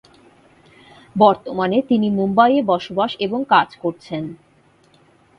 বর্তমানে তিনি মুম্বইয়ে বসবাস এবং কাজ করছেন।